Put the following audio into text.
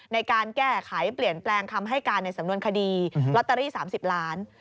ในการแก้ไขเปลี่ยนแปลงคำให้การในสำนวนคดีลอตเตอรี่๓๐ล้าน